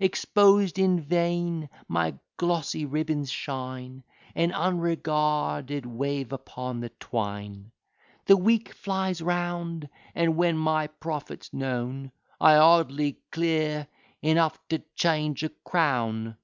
Exposed in vain my glossy ribbons shine, And unregarded wave upon the twine. The week flies round, and when my profit's known, I hardly clear enough to change a crown.